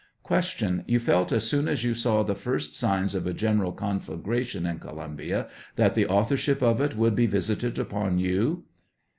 Q. Tou felt as soon as you saw the first signs of a general conflagration in Columbia that the authorship of it would be visited upon you